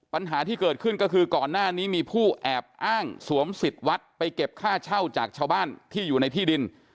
ปัญหาที่เกิดขึ้นก็คือก่อนหน้านี้มีผู้แอบอ้างสวมสิทธิ์วัดไปเก็บค่าเช่าจากชาวบ้านที่อยู่ในที่ดิน